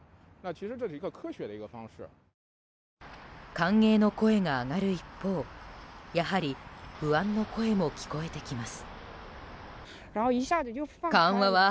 歓迎の声が上がる一方、やはり不安の声も聞こえてきます。